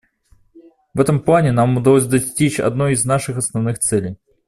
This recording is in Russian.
В этом плане нам удалось достичь одной из наших основных целей.